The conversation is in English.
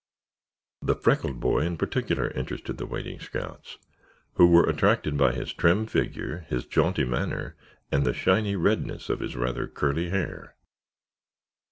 The freckled boy, in particular, interested the waiting scouts who were attracted by his trim figure, his jaunty manner and the shiny redness of his rather curly hair.